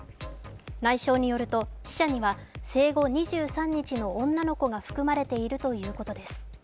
内相によると、死者には生後２３日の女の子が含まれているというこです。